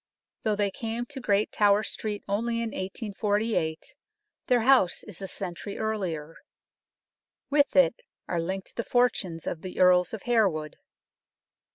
Though they came to Great Tower Street only in 1848, their house is a century earlier. With it are linked the fortunes of the Earls of Hare wood.